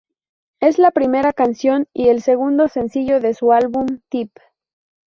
Es la primera canción y el segundo sencillo de su álbum Tip.